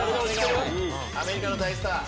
アメリカの大スター。